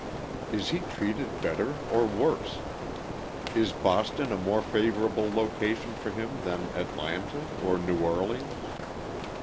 Is he treated better or worse? Is Boston a more favourable location for him than Atlanta or New Orleans?